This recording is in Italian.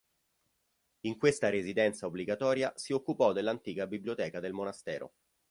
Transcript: In questa residenza obbligatoria si occupò dell'antica biblioteca del monastero.